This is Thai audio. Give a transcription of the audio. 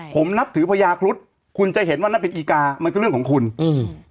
ผมนับถือพญาครุฑคุณจะเห็นว่านั่นเป็นอีกามันก็เรื่องของคุณอืม